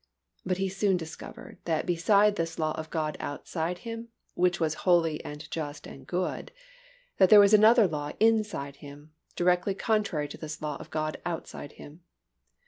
But he soon discovered that beside this law of God outside him, which was holy and just and good, that there was another law inside him directly contrary to this law of God outside him.